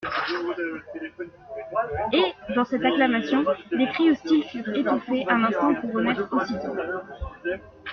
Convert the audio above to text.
Et, dans cette acclamation, les cris hostiles furent étouffés un instant pour renaître aussitôt.